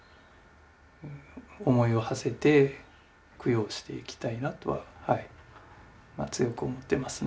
思いをはせて供養していきたいなとははい強く思ってますね。